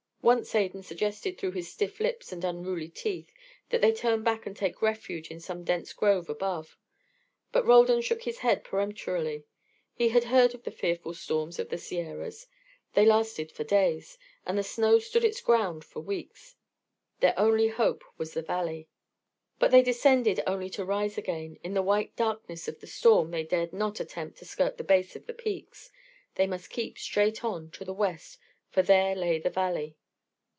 Once Adan suggested through his stiff lips and unruly teeth that they turn back and take refuge in some dense grove above; but Roldan shook his head peremptorily. He had heard of the fearful storms of the Sierras; they lasted for days, and the snow stood its ground for weeks. Their only hope was the valley. But they descended only to rise again: in the white darkness of the storm they dared not attempt to skirt the base of the peaks; they must keep straight on, to the west, for there lay the valley.